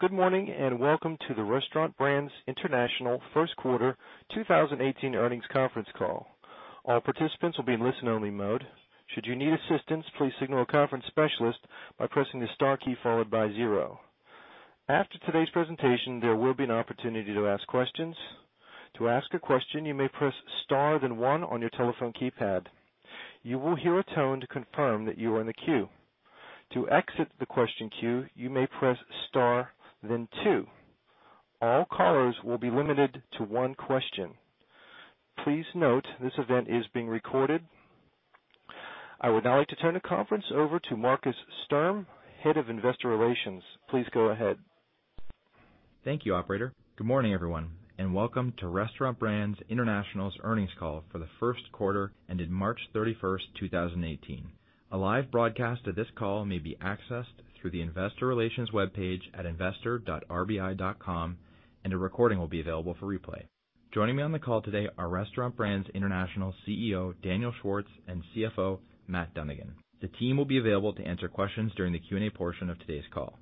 Good morning, and welcome to the Restaurant Brands International first quarter 2018 earnings conference call. All participants will be in listen only mode. Should you need assistance, please signal a conference specialist by pressing the star key followed by zero. After today's presentation, there will be an opportunity to ask questions. To ask a question, you may press star then one on your telephone keypad. You will hear a tone to confirm that you are in the queue. To exit the question queue, you may press star then two. All callers will be limited to one question. Please note, this event is being recorded. I would now like to turn the conference over to Markus Sturm, Head of Investor Relations. Please go ahead. Thank you, operator. Good morning, everyone, and welcome to Restaurant Brands International's earnings call for the first quarter ended March 31st, 2018. A live broadcast of this call may be accessed through the investor relations webpage at investor.rbi.com. A recording will be available for replay. Joining me on the call today are Restaurant Brands International CEO, Daniel Schwartz, and CFO, Matt Dunnigan. The team will be available to answer questions during the Q&A portion of today's call.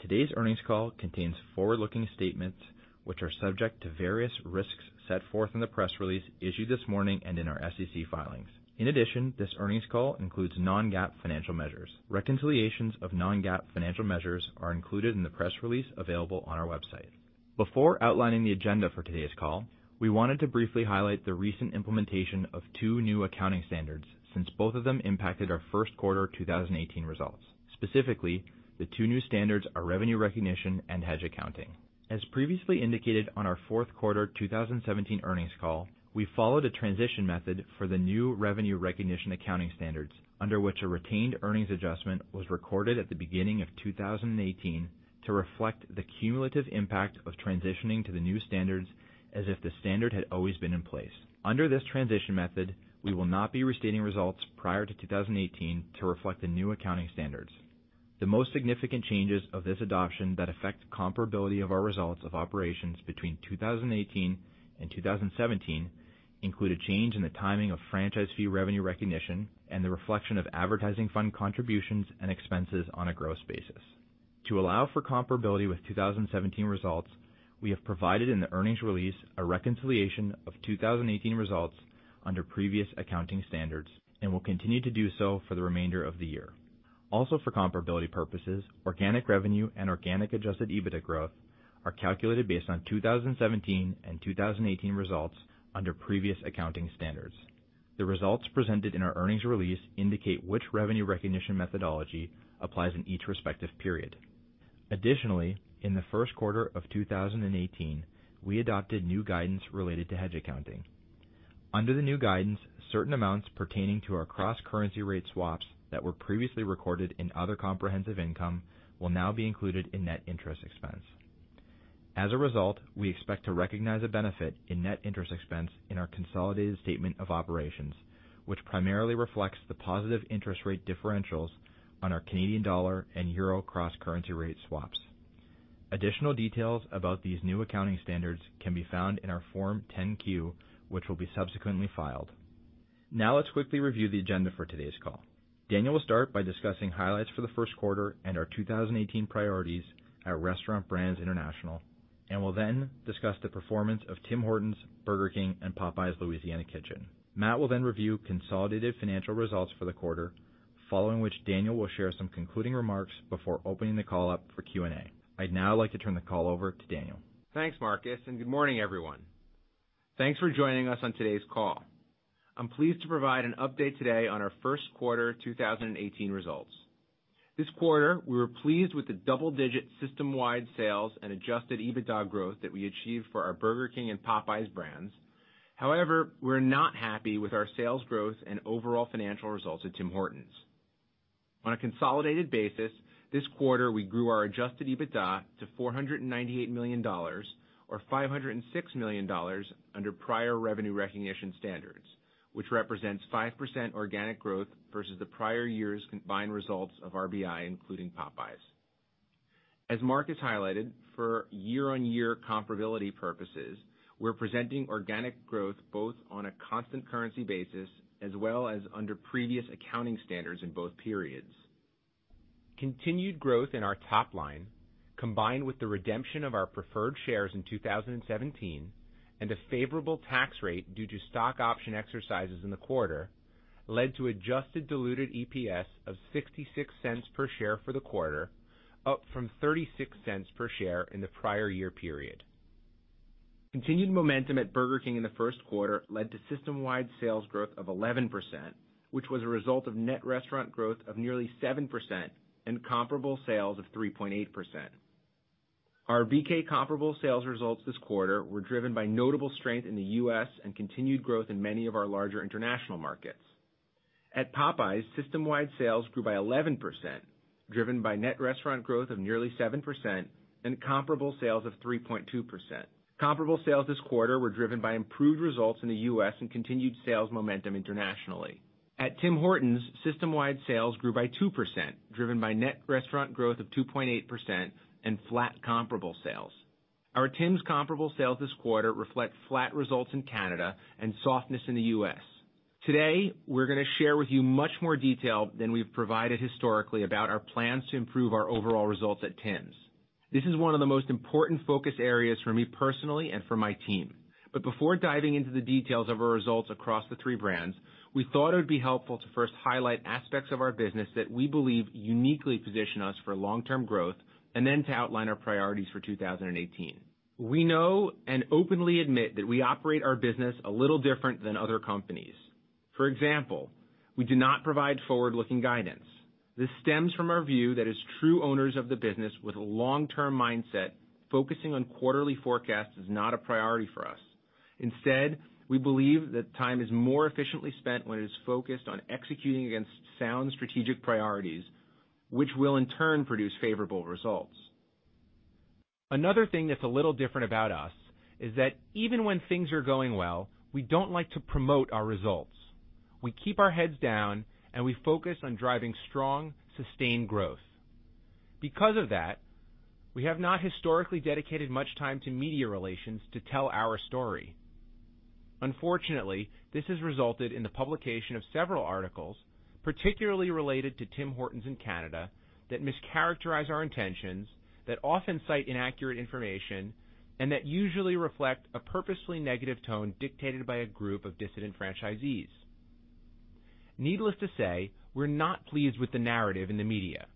Today's earnings call contains forward-looking statements, which are subject to various risks set forth in the press release issued this morning and in our SEC filings. This earnings call includes non-GAAP financial measures. Reconciliations of non-GAAP financial measures are included in the press release available on our website. Before outlining the agenda for today's call, we wanted to briefly highlight the recent implementation of two new accounting standards since both of them impacted our first quarter 2018 results. Specifically, the two new standards are revenue recognition and hedge accounting. As previously indicated on our fourth quarter 2017 earnings call, we followed a transition method for the new revenue recognition accounting standards, under which a retained earnings adjustment was recorded at the beginning of 2018 to reflect the cumulative impact of transitioning to the new standards as if the standard had always been in place. Under this transition method, we will not be restating results prior to 2018 to reflect the new accounting standards. The most significant changes of this adoption that affect comparability of our results of operations between 2018 and 2017 include a change in the timing of franchise fee revenue recognition and the reflection of advertising fund contributions and expenses on a gross basis. To allow for comparability with 2017 results, we have provided in the earnings release a reconciliation of 2018 results under previous accounting standards and will continue to do so for the remainder of the year. For comparability purposes, organic revenue and organic adjusted EBITDA growth are calculated based on 2017 and 2018 results under previous accounting standards. The results presented in our earnings release indicate which revenue recognition methodology applies in each respective period. In the first quarter of 2018, we adopted new guidance related to hedge accounting. Under the new guidance, certain amounts pertaining to our cross-currency rate swaps that were previously recorded in other comprehensive income will now be included in net interest expense. As a result, we expect to recognize a benefit in net interest expense in our consolidated statement of operations, which primarily reflects the positive interest rate differentials on our Canadian dollar and euro cross-currency rate swaps. Additional details about these new accounting standards can be found in our Form 10-Q, which will be subsequently filed. Let's quickly review the agenda for today's call. Daniel will start by discussing highlights for the first quarter and our 2018 priorities at Restaurant Brands International and will then discuss the performance of Tim Hortons, Burger King, and Popeyes Louisiana Kitchen. Matt will then review consolidated financial results for the quarter, following which Daniel will share some concluding remarks before opening the call up for Q&A. I'd now like to turn the call over to Daniel. Thanks, Markus. Good morning, everyone. Thanks for joining us on today's call. I'm pleased to provide an update today on our first quarter 2018 results. This quarter, we were pleased with the double-digit system-wide sales and adjusted EBITDA growth that we achieved for our Burger King and Popeyes brands. We're not happy with our sales growth and overall financial results at Tim Hortons. On a consolidated basis, this quarter, we grew our adjusted EBITDA to $498 million, or $506 million under prior revenue recognition standards, which represents 5% organic growth versus the prior year's combined results of RBI, including Popeyes. As Markus highlighted, for year-on-year comparability purposes, we're presenting organic growth both on a constant currency basis, as well as under previous accounting standards in both periods. Continued growth in our top line, combined with the redemption of our preferred shares in 2017 and a favorable tax rate due to stock option exercises in the quarter, led to adjusted diluted EPS of $0.66 per share for the quarter, up from $0.36 per share in the prior year period. Continued momentum at Burger King in the first quarter led to system-wide sales growth of 11%, which was a result of net restaurant growth of nearly 7% and comparable sales of 3.8%. Our BK comparable sales results this quarter were driven by notable strength in the U.S. and continued growth in many of our larger international markets. At Popeyes, system-wide sales grew by 11%, driven by net restaurant growth of nearly 7% and comparable sales of 3.2%. Comparable sales this quarter were driven by improved results in the U.S. and continued sales momentum internationally. At Tim Hortons, system-wide sales grew by 2%, driven by net restaurant growth of 2.8% and flat comparable sales. Our Tim's comparable sales this quarter reflect flat results in Canada and softness in the U.S. Today, we're going to share with you much more detail than we've provided historically about our plans to improve our overall results at Tim's. This is one of the most important focus areas for me personally and for my team. Before diving into the details of our results across the three brands, we thought it would be helpful to first highlight aspects of our business that we believe uniquely position us for long-term growth, and then to outline our priorities for 2018. We know and openly admit that we operate our business a little different than other companies. For example, we do not provide forward-looking guidance. This stems from our view that as true owners of the business with a long-term mindset, focusing on quarterly forecasts is not a priority for us. We believe that time is more efficiently spent when it is focused on executing against sound strategic priorities, which will in turn produce favorable results. Another thing that's a little different about us is that even when things are going well, we don't like to promote our results. We keep our heads down, and we focus on driving strong, sustained growth. Because of that, we have not historically dedicated much time to media relations to tell our story. Unfortunately, this has resulted in the publication of several articles, particularly related to Tim Hortons in Canada, that mischaracterize our intentions, that often cite inaccurate information, and that usually reflect a purposefully negative tone dictated by a group of dissident franchisees. Needless to say, we're not pleased with the narrative in the media.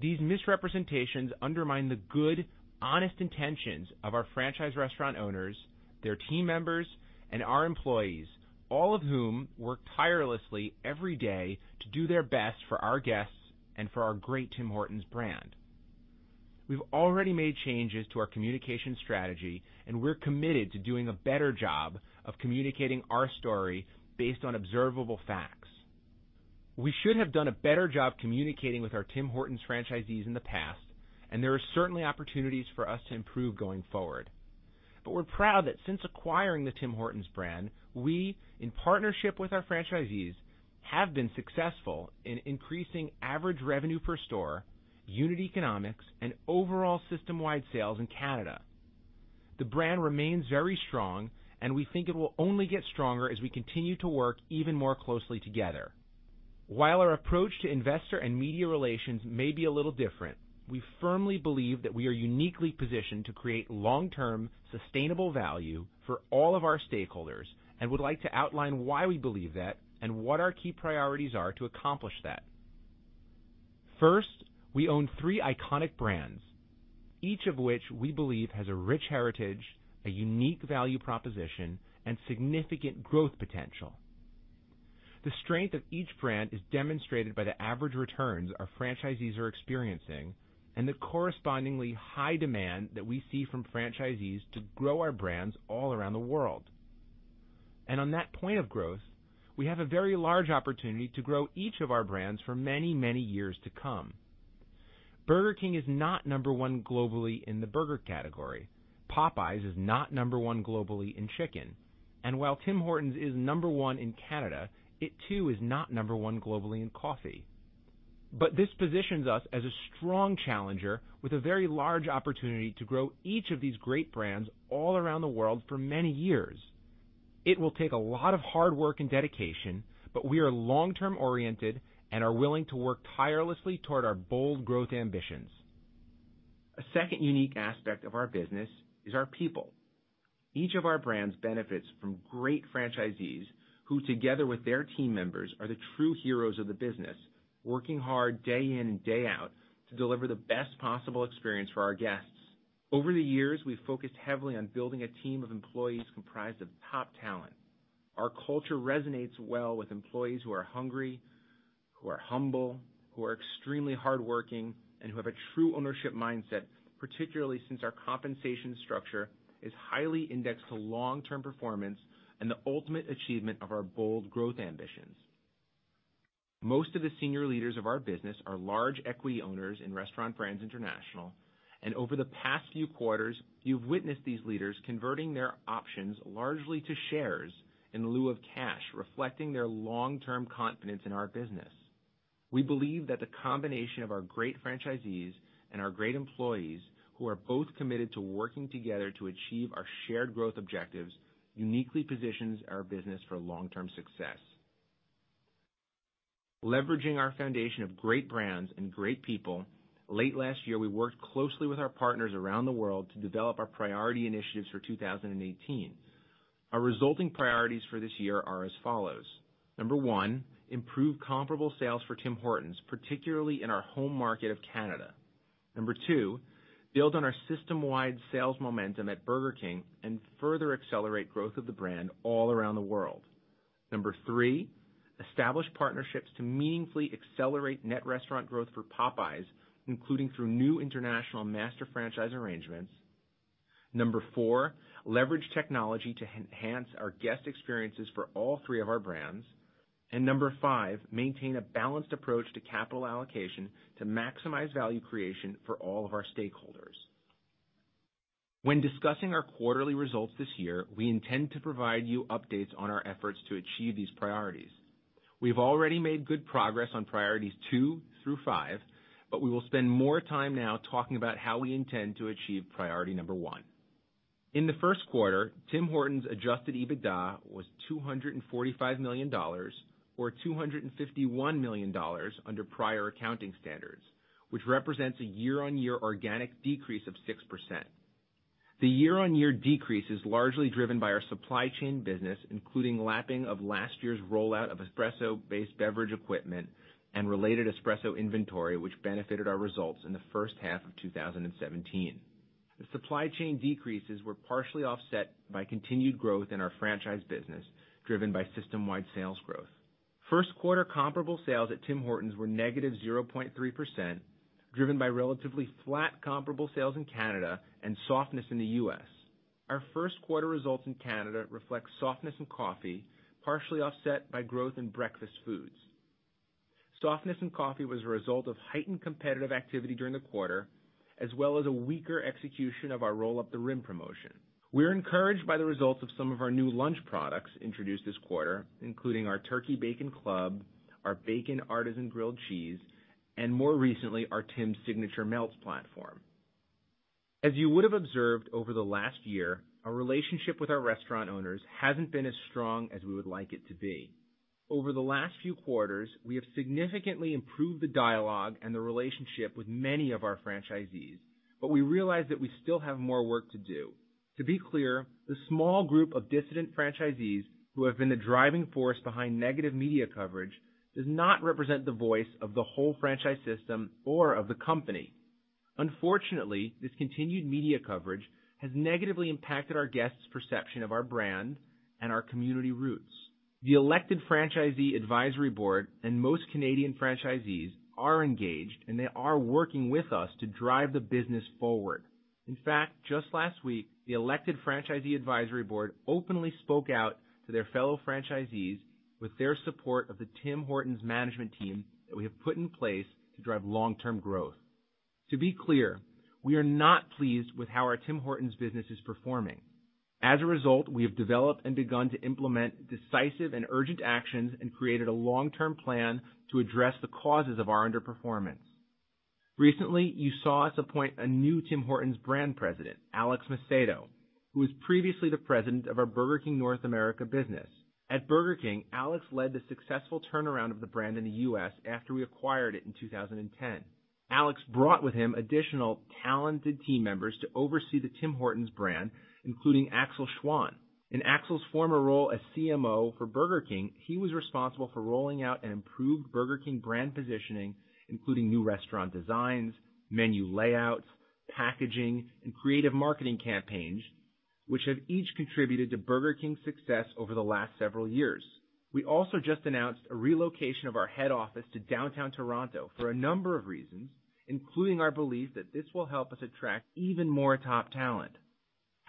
These misrepresentations undermine the good, honest intentions of our franchise restaurant owners, their team members, and our employees, all of whom work tirelessly every day to do their best for our guests and for our great Tim Hortons brand. We've already made changes to our communication strategy, and we're committed to doing a better job of communicating our story based on observable facts. We should have done a better job communicating with our Tim Hortons franchisees in the past, there are certainly opportunities for us to improve going forward. We're proud that since acquiring the Tim Hortons brand, we, in partnership with our franchisees, have been successful in increasing average revenue per store, unit economics, and overall system-wide sales in Canada. The brand remains very strong, and we think it will only get stronger as we continue to work even more closely together. While our approach to investor and media relations may be a little different, we firmly believe that we are uniquely positioned to create long-term, sustainable value for all of our stakeholders and would like to outline why we believe that and what our key priorities are to accomplish that. First, we own three iconic brands, each of which we believe has a rich heritage, a unique value proposition, and significant growth potential. The strength of each brand is demonstrated by the average returns our franchisees are experiencing and the correspondingly high demand that we see from franchisees to grow our brands all around the world. On that point of growth, we have a very large opportunity to grow each of our brands for many, many years to come. Burger King is not number 1 globally in the burger category. Popeyes is not number 1 globally in chicken. While Tim Hortons is number 1 in Canada, it too is not number 1 globally in coffee. But this positions us as a strong challenger with a very large opportunity to grow each of these great brands all around the world for many years. It will take a lot of hard work and dedication, but we are long-term oriented and are willing to work tirelessly toward our bold growth ambitions. A second unique aspect of our business is our people. Each of our brands benefits from great franchisees who together with their team members are the true heroes of the business, working hard day in and day out to deliver the best possible experience for our guests. Over the years, we've focused heavily on building a team of employees comprised of top talent. Our culture resonates well with employees who are hungry, who are humble, who are extremely hardworking, and who have a true ownership mindset, particularly since our compensation structure is highly indexed to long-term performance and the ultimate achievement of our bold growth ambitions. Most of the senior leaders of our business are large equity owners in Restaurant Brands International, and over the past few quarters, you've witnessed these leaders converting their options largely to shares in lieu of cash, reflecting their long-term confidence in our business. We believe that the combination of our great franchisees and our great employees who are both committed to working together to achieve our shared growth objectives uniquely positions our business for long-term success. Leveraging our foundation of great brands and great people, late last year, we worked closely with our partners around the world to develop our priority initiatives for 2018. Our resulting priorities for this year are as follows. Number 1, improve comparable sales for Tim Hortons, particularly in our home market of Canada. Number 2, build on our system-wide sales momentum at Burger King and further accelerate growth of the brand all around the world. Number 3, establish partnerships to meaningfully accelerate net restaurant growth for Popeyes, including through new international master franchise arrangements. Number 4, leverage technology to enhance our guest experiences for all three of our brands. Number 5, maintain a balanced approach to capital allocation to maximize value creation for all of our stakeholders. When discussing our quarterly results this year, we intend to provide you updates on our efforts to achieve these priorities. We've already made good progress on priorities 2 through 5, but we will spend more time now talking about how we intend to achieve priority Number 1. In the first quarter, Tim Hortons' adjusted EBITDA was 245 million dollars, or 251 million dollars under prior accounting standards, which represents a year-on-year organic decrease of 6%. The year-on-year decrease is largely driven by our supply chain business, including lapping of last year's rollout of espresso-based beverage equipment and related espresso inventory, which benefited our results in the first half of 2017. The supply chain decreases were partially offset by continued growth in our franchise business, driven by system-wide sales growth. First quarter comparable sales at Tim Hortons were negative 0.3%, driven by relatively flat comparable sales in Canada and softness in the U.S. Our first quarter results in Canada reflect softness in coffee, partially offset by growth in breakfast foods. Softness in coffee was a result of heightened competitive activity during the quarter, as well as a weaker execution of our Roll Up the Rim promotion. We're encouraged by the results of some of our new lunch products introduced this quarter, including our Turkey Bacon Club, our Bacon Artisan Grilled Cheese, and more recently, our Tim's Signature Melts platform. As you would have observed over the last year, our relationship with our restaurant owners hasn't been as strong as we would like it to be. Over the last few quarters, we have significantly improved the dialogue and the relationship with many of our franchisees, but we realize that we still have more work to do. To be clear, the small group of dissident franchisees who have been the driving force behind negative media coverage does not represent the voice of the whole franchise system or of the company. Unfortunately, this continued media coverage has negatively impacted our guests' perception of our brand and our community roots. The elected Franchisee Advisory Board and most Canadian franchisees are engaged, and they are working with us to drive the business forward. In fact, just last week, the elected Franchisee Advisory Board openly spoke out to their fellow franchisees with their support of the Tim Hortons management team that we have put in place to drive long-term growth. To be clear, we are not pleased with how our Tim Hortons business is performing. As a result, we have developed and begun to implement decisive and urgent actions and created a long-term plan to address the causes of our underperformance. Recently, you saw us appoint a new Tim Hortons brand president, Alex Macedo, who was previously the president of our Burger King North America business. At Burger King, Alex led the successful turnaround of the brand in the U.S. after we acquired it in 2010. Alex brought with him additional talented team members to oversee the Tim Hortons brand, including Axel Schwan. In Axel's former role as CMO for Burger King, he was responsible for rolling out an improved Burger King brand positioning, including new restaurant designs, menu layouts, packaging, and creative marketing campaigns, which have each contributed to Burger King's success over the last several years. We also just announced a relocation of our head office to downtown Toronto for a number of reasons, including our belief that this will help us attract even more top talent.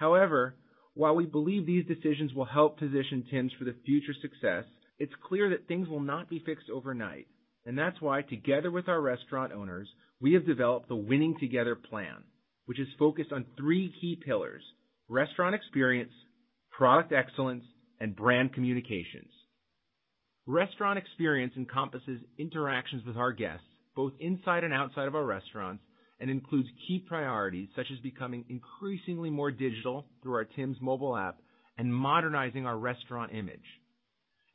However, while we believe these decisions will help position Tim's for the future success, it's clear that things will not be fixed overnight, and that's why, together with our restaurant owners, we have developed the Winning Together Plan, which is focused on three key pillars: restaurant experience, product excellence, and brand communications. Restaurant experience encompasses interactions with our guests, both inside and outside of our restaurants, and includes key priorities such as becoming increasingly more digital through our Tim's mobile app and modernizing our restaurant image.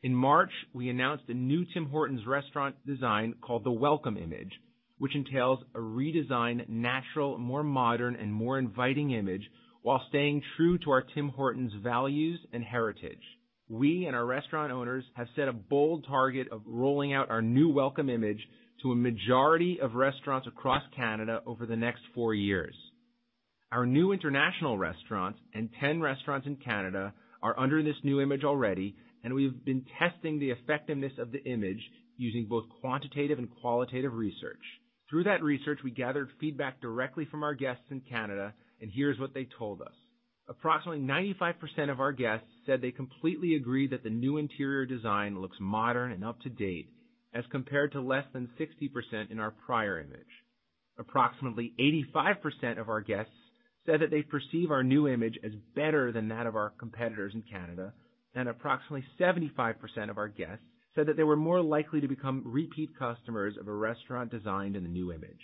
In March, we announced a new Tim Hortons restaurant design called the Welcome Image, which entails a redesigned, natural, more modern, and more inviting image while staying true to our Tim Hortons values and heritage. We and our restaurant owners have set a bold target of rolling out our new Welcome Image to a majority of restaurants across Canada over the next four years. Our new international restaurants and 10 restaurants in Canada are under this new image already. We have been testing the effectiveness of the image using both quantitative and qualitative research. Through that research, we gathered feedback directly from our guests in Canada. Here's what they told us. Approximately 95% of our guests said they completely agree that the new interior design looks modern and up-to-date, as compared to less than 60% in our prior image. Approximately 85% of our guests said that they perceive our new image as better than that of our competitors in Canada. Approximately 75% of our guests said that they were more likely to become repeat customers of a restaurant designed in the new image.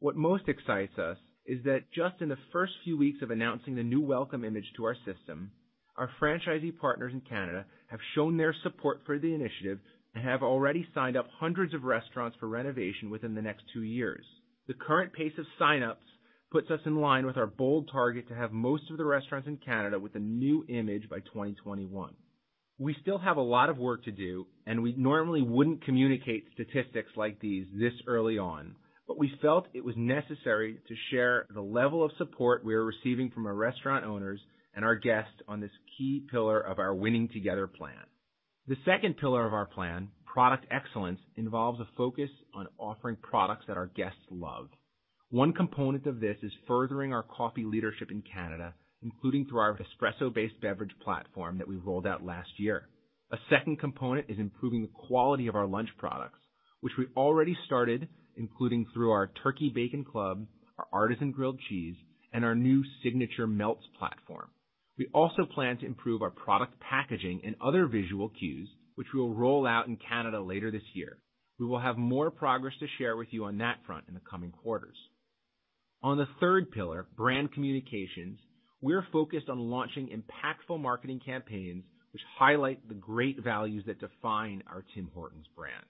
What most excites us is that just in the first few weeks of announcing the new Welcome Image to our system, our franchisee partners in Canada have shown their support for the initiative and have already signed up hundreds of restaurants for renovation within the next two years. The current pace of sign-ups puts us in line with our bold target to have most of the restaurants in Canada with a new image by 2021. We still have a lot of work to do. We normally wouldn't communicate statistics like these this early on, but we felt it was necessary to share the level of support we are receiving from our restaurant owners and our guests on this key pillar of our Winning Together Plan. The second pillar of our plan, product excellence, involves a focus on offering products that our guests love. One component of this is furthering our coffee leadership in Canada, including through our espresso-based beverage platform that we rolled out last year. A second component is improving the quality of our lunch products, which we already started, including through our Turkey Bacon Club, our Artisan Grilled Cheese, and our new Signature Melts platform. We also plan to improve our product packaging and other visual cues, which we'll roll out in Canada later this year. We will have more progress to share with you on that front in the coming quarters. On the third pillar, brand communications, we are focused on launching impactful marketing campaigns which highlight the great values that define our Tim Hortons brand.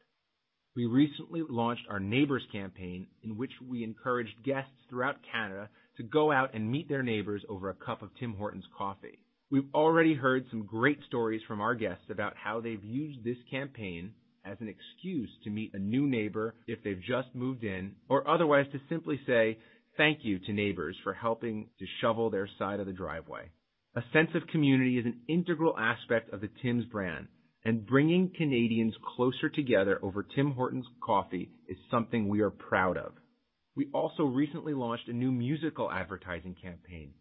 We recently launched our Neighbours campaign, in which we encouraged guests throughout Canada to go out and meet their neighbours over a cup of Tim Hortons coffee. We've already heard some great stories from our guests about how they've used this campaign as an excuse to meet a new neighbor if they've just moved in, or otherwise to simply say thank you to neighbours for helping to shovel their side of the driveway. A sense of community is an integral aspect of the Tim's brand. Bringing Canadians closer together over Tim Hortons coffee is something we are proud of. We also recently launched a new musical advertising campaign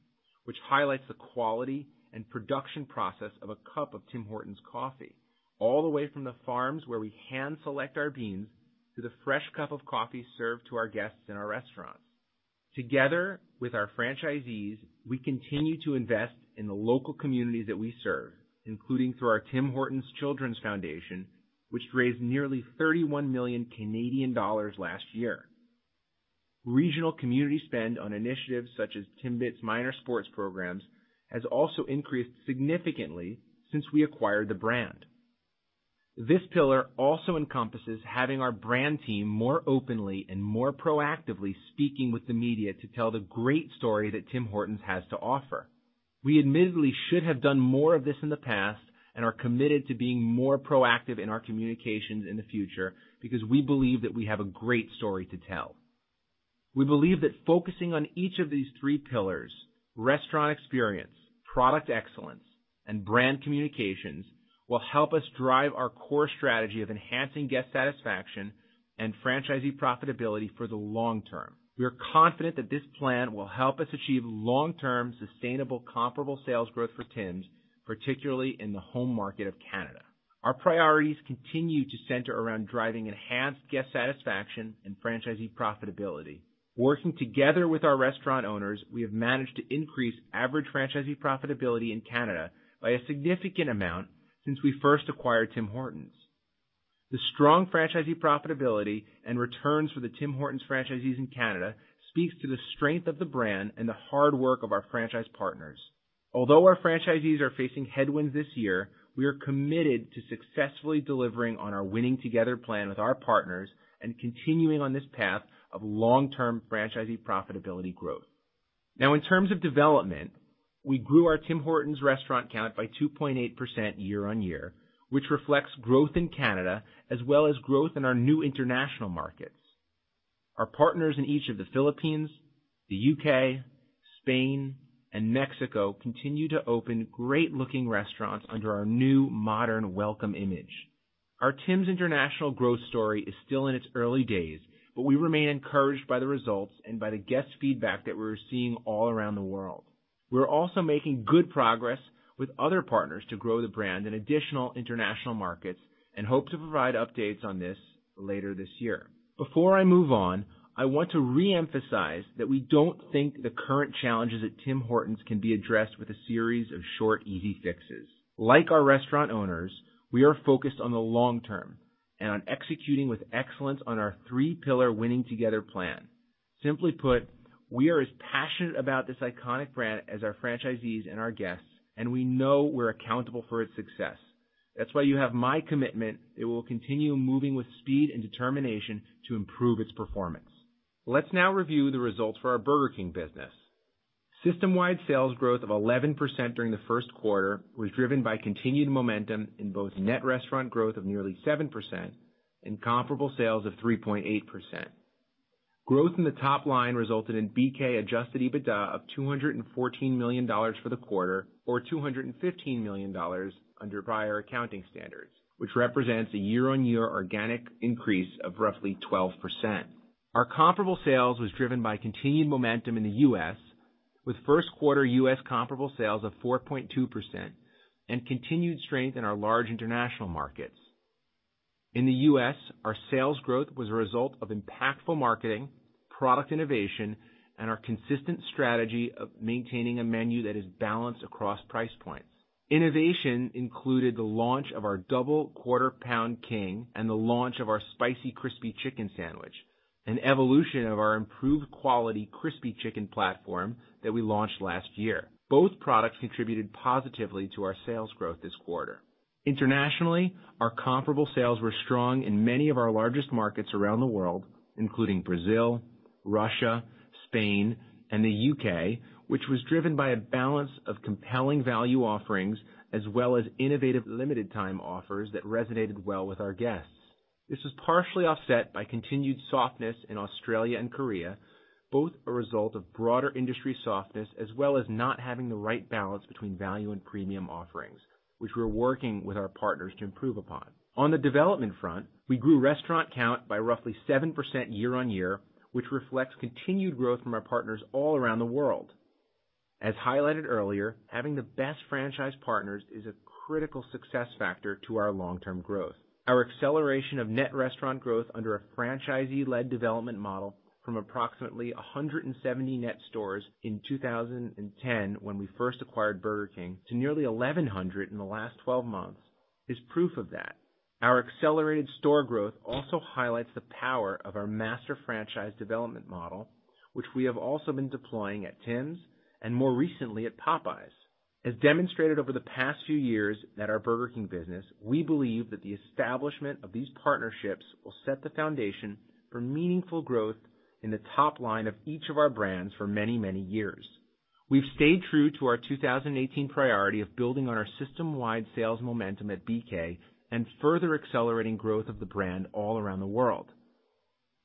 which highlights the quality and production process of a cup of Tim Hortons coffee, all the way from the farms where we hand-select our beans to the fresh cup of coffee served to our guests in our restaurants. Together with our franchisees, we continue to invest in the local communities that we serve, including through our Tim Hortons Children's Foundation, which raised nearly 31 million Canadian dollars last year. Regional community spend on initiatives such as Timbits minor sports programs has also increased significantly since we acquired the brand. This pillar also encompasses having our brand team more openly and more proactively speaking with the media to tell the great story that Tim Hortons has to offer. Are committed to being more proactive in our communications in the future because we believe that we have a great story to tell. We believe that focusing on each of these three pillars, restaurant experience, product excellence, and brand communications, will help us drive our core strategy of enhancing guest satisfaction and franchisee profitability for the long term. We are confident that this plan will help us achieve long-term sustainable comparable sales growth for Tim's, particularly in the home market of Canada. Our priorities continue to center around driving enhanced guest satisfaction and franchisee profitability. Working together with our restaurant owners, we have managed to increase average franchisee profitability in Canada by a significant amount since we first acquired Tim Hortons. The strong franchisee profitability and returns for the Tim Hortons franchisees in Canada speaks to the strength of the brand and the hard work of our franchise partners. Although our franchisees are facing headwinds this year, we are committed to successfully delivering on our Winning Together Plan with our partners and continuing on this path of long-term franchisee profitability growth. In terms of development, we grew our Tim Hortons restaurant count by 2.8% year-on-year, which reflects growth in Canada as well as growth in our new international markets. Our partners in each of the Philippines, the U.K., Spain, and Mexico continue to open great looking restaurants under our new modern Welcome Image. We remain encouraged by the results and by the guest feedback that we're seeing all around the world. Hope to provide updates on this later this year. Before I move on, I want to reemphasize that we don't think the current challenges at Tim Hortons can be addressed with a series of short, easy fixes. Like our restaurant owners, we are focused on the long term and on executing with excellence on our three pillar Winning Together Plan. Simply put, we are as passionate about this iconic brand as our franchisees and our guests. We know we're accountable for its success. That's why you have my commitment that we'll continue moving with speed and determination to improve its performance. Let's now review the results for our Burger King business. System-wide sales growth of 11% during the first quarter was driven by continued momentum in both net restaurant growth of nearly 7% and comparable sales of 3.8%. Growth in the top line resulted in BK adjusted EBITDA of $214 million for the quarter, or $215 million under prior accounting standards, which represents a year-on-year organic increase of roughly 12%. Our comparable sales was driven by continued momentum in the U.S., with first quarter U.S. comparable sales of 4.2% and continued strength in our large international markets. In the U.S., our sales growth was a result of impactful marketing, product innovation, and our consistent strategy of maintaining a menu that is balanced across price points. Innovation included the launch of the Double Quarter Pound King and the launch of our Spicy Crispy Chicken Sandwich, an evolution of our improved quality crispy chicken platform that we launched last year. Both products contributed positively to our sales growth this quarter. Internationally, our comparable sales were strong in many of our largest markets around the world, including Brazil, Russia, Spain, and the U.K., which was driven by a balance of compelling value offerings as well as innovative limited time offers that resonated well with our guests. This was partially offset by continued softness in Australia and Korea, both a result of broader industry softness as well as not having the right balance between value and premium offerings, which we're working with our partners to improve upon. On the development front, we grew restaurant count by roughly 7% year-on-year, which reflects continued growth from our partners all around the world. As highlighted earlier, having the best franchise partners is a critical success factor to our long-term growth. Our acceleration of net restaurant growth under a franchisee-led development model from approximately 170 net stores in 2010 when we first acquired Burger King to nearly 1,100 in the last 12 months is proof of that. Our accelerated store growth also highlights the power of our master franchise development model, which we have also been deploying at Tim's and more recently at Popeyes. As demonstrated over the past few years at our Burger King business, we believe that the establishment of these partnerships will set the foundation for meaningful growth in the top line of each of our brands for many, many years. We've stayed true to our 2018 priority of building on our system-wide sales momentum at BK and further accelerating growth of the brand all around the world.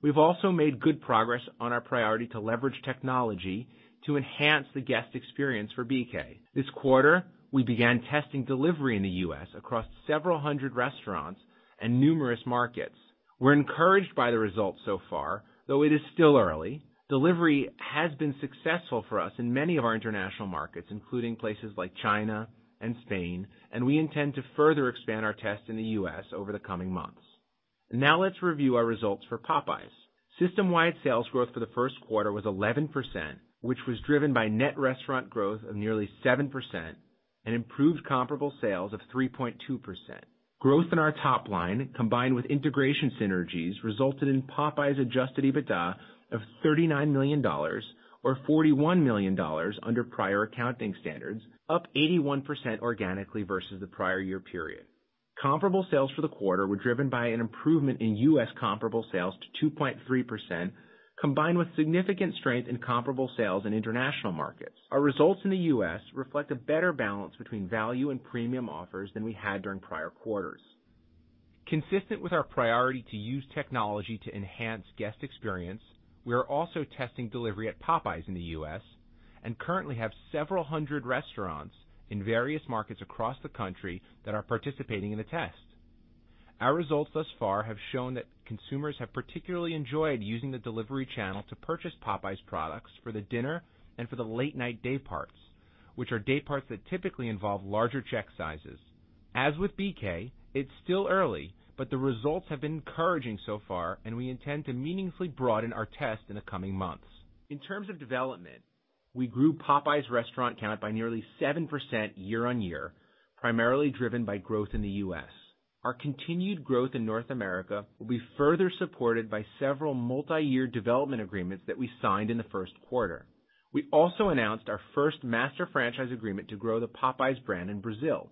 We've also made good progress on our priority to leverage technology to enhance the guest experience for BK. This quarter, we began testing delivery in the U.S. across several hundred restaurants and numerous markets. We're encouraged by the results so far, though it is still early. Delivery has been successful for us in many of our international markets, including places like China and Spain, and we intend to further expand our test in the U.S. over the coming months. Now let's review our results for Popeyes. System-wide sales growth for the first quarter was 11%, which was driven by net restaurant growth of nearly 7% and improved comparable sales of 3.2%. Growth in our top line, combined with integration synergies, resulted in Popeyes adjusted EBITDA of $39 million or $41 million under prior accounting standards, up 81% organically versus the prior year period. Comparable sales for the quarter were driven by an improvement in U.S. comparable sales to 2.3%, combined with significant strength in comparable sales in international markets. Our results in the U.S. reflect a better balance between value and premium offers than we had during prior quarters. Consistent with our priority to use technology to enhance guest experience, we are also testing delivery at Popeyes in the U.S. and currently have several hundred restaurants in various markets across the country that are participating in the test. Our results thus far have shown that consumers have particularly enjoyed using the delivery channel to purchase Popeyes products for the dinner and for the late-night day parts, which are day parts that typically involve larger check sizes. As with BK, it is still early, but the results have been encouraging so far, and we intend to meaningfully broaden our test in the coming months. In terms of development, we grew Popeyes restaurant count by nearly 7% year-on-year, primarily driven by growth in the U.S. Our continued growth in North America will be further supported by several multi-year development agreements that we signed in the first quarter. We also announced our first master franchise agreement to grow the Popeyes brand in Brazil.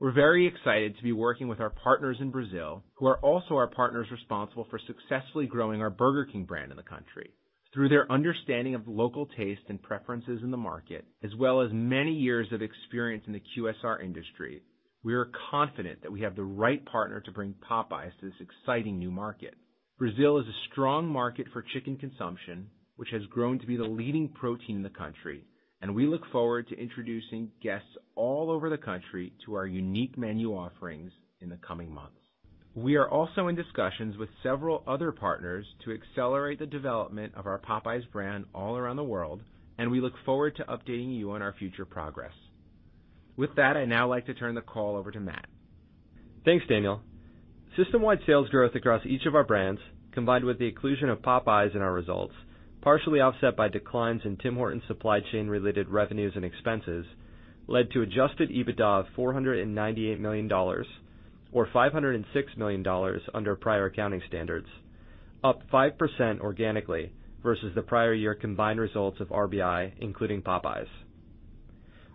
We are very excited to be working with our partners in Brazil, who are also our partners responsible for successfully growing our Burger King brand in the country. Through their understanding of local taste and preferences in the market, as well as many years of experience in the QSR industry, we are confident that we have the right partner to bring Popeyes to this exciting new market. Brazil is a strong market for chicken consumption, which has grown to be the leading protein in the country. We look forward to introducing guests all over the country to our unique menu offerings in the coming months. We are also in discussions with several other partners to accelerate the development of our Popeyes brand all around the world. We look forward to updating you on our future progress. With that, I would now like to turn the call over to Matt. Thanks, Daniel. System-wide sales growth across each of our brands, combined with the inclusion of Popeyes in our results, partially offset by declines in Tim Hortons supply chain related revenues and expenses led to adjusted EBITDA of $498 million or $506 million under prior accounting standards, up 5% organically versus the prior year combined results of RBI, including Popeyes.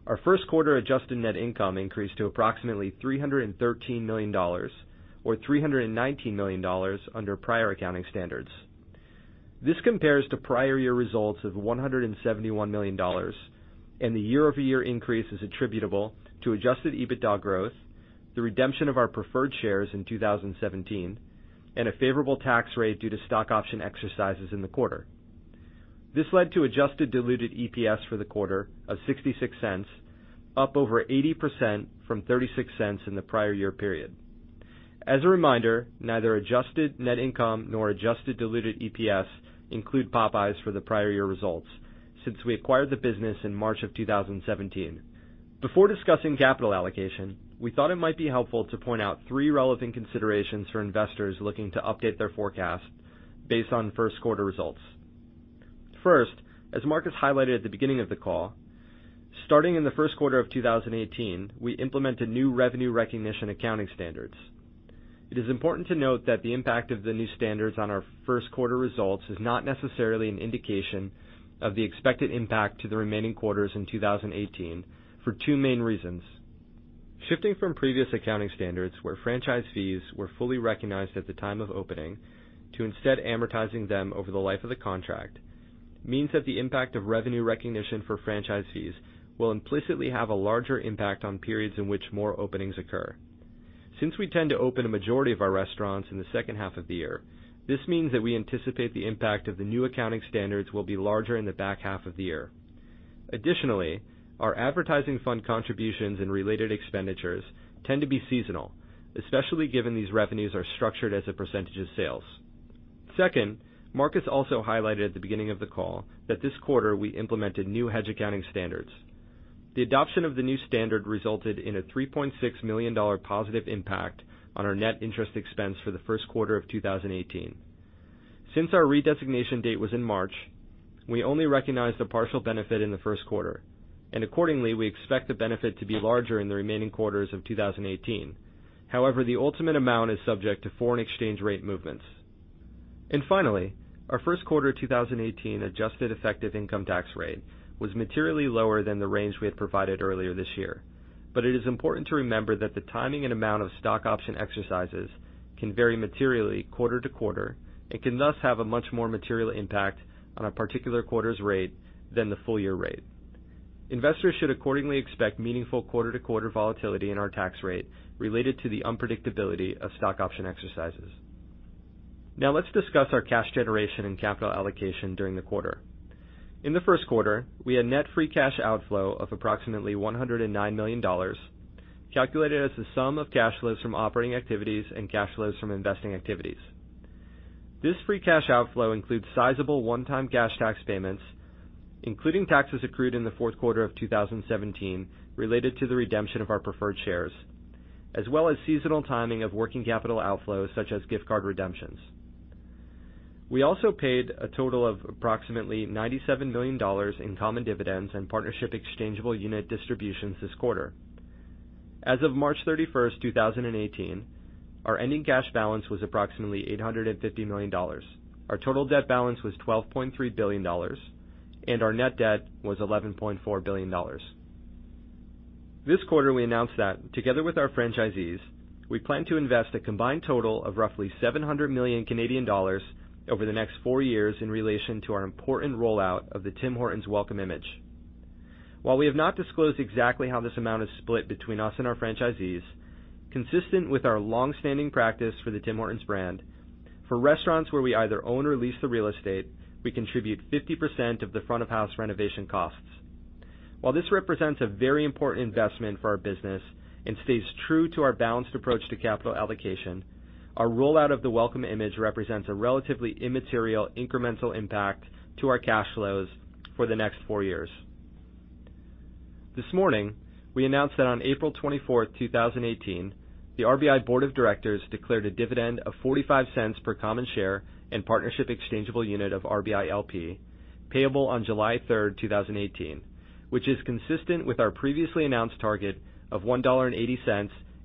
Our first quarter adjusted net income increased to approximately $313 million or $319 million under prior accounting standards. This compares to prior year results of $171 million. The year-over-year increase is attributable to adjusted EBITDA growth, the redemption of our preferred shares in 2017, and a favorable tax rate due to stock option exercises in the quarter. This led to adjusted diluted EPS for the quarter of $0.66, up over 80% from $0.36 in the prior year period. As a reminder, neither adjusted net income nor adjusted diluted EPS include Popeyes for the prior year results, since we acquired the business in March of 2017. Before discussing capital allocation, we thought it might be helpful to point out three relevant considerations for investors looking to update their forecast based on first quarter results. First, as Markus highlighted at the beginning of the call, starting in the first quarter of 2018, we implemented new revenue recognition accounting standards. It is important to note that the impact of the new standards on our first quarter results is not necessarily an indication of the expected impact to the remaining quarters in 2018 for two main reasons. Shifting from previous accounting standards where franchise fees were fully recognized at the time of opening to instead amortizing them over the life of the contract means that the impact of revenue recognition for franchise fees will implicitly have a larger impact on periods in which more openings occur. Since we tend to open a majority of our restaurants in the second half of the year, this means that we anticipate the impact of the new accounting standards will be larger in the back half of the year. Additionally, our advertising fund contributions and related expenditures tend to be seasonal, especially given these revenues are structured as a percentage of sales. Second, Markus also highlighted at the beginning of the call that this quarter we implemented new hedge accounting standards. The adoption of the new standard resulted in a 3.6 million dollar positive impact on our net interest expense for the first quarter of 2018. Since our redesignation date was in March, we only recognized the partial benefit in the first quarter, and accordingly, we expect the benefit to be larger in the remaining quarters of 2018. However, the ultimate amount is subject to foreign exchange rate movements. Finally, our first quarter 2018 adjusted effective income tax rate was materially lower than the range we had provided earlier this year. It is important to remember that the timing and amount of stock option exercises can vary materially quarter-to-quarter and can thus have a much more material impact on a particular quarter's rate than the full year rate. Investors should accordingly expect meaningful quarter-to-quarter volatility in our tax rate related to the unpredictability of stock option exercises. Let's discuss our cash generation and capital allocation during the quarter. In the first quarter, we had net free cash outflow of approximately 109 million dollars, calculated as the sum of cash flows from operating activities and cash flows from investing activities. This free cash outflow includes sizable one-time cash tax payments, including taxes accrued in the fourth quarter of 2017, related to the redemption of our preferred shares, as well as seasonal timing of working capital outflows such as gift card redemptions. We also paid a total of approximately 97 million dollars in common dividends and partnership exchangeable unit distributions this quarter. As of March 31st, 2018, our ending cash balance was approximately 850 million dollars, our total debt balance was 12.3 billion dollars, and our net debt was 11.4 billion dollars. This quarter, we announced that together with our franchisees, we plan to invest a combined total of roughly 700 million Canadian dollars over the next four years in relation to our important rollout of the Tim Hortons Welcome Image. While we have not disclosed exactly how this amount is split between us and our franchisees, consistent with our longstanding practice for the Tim Hortons brand, for restaurants where we either own or lease the real estate, we contribute 50% of the front of house renovation costs. While this represents a very important investment for our business and stays true to our balanced approach to capital allocation, our rollout of the Welcome Image represents a relatively immaterial incremental impact to our cash flows for the next four years. This morning, we announced that on April 24th, 2018, the RBI Board of Directors declared a dividend of 0.45 per common share and partnership exchangeable unit of RBI LP, payable on July 3rd, 2018, which is consistent with our previously announced target of 1.80 dollar